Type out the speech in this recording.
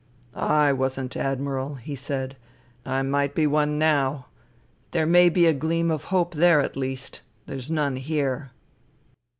" I wasn't, Admiral," he said. " I might be one now. There may be a gleam of hope there at least. There's none here."